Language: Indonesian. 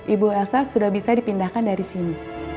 ibu elsa sudah bisa dipindahkan dari sini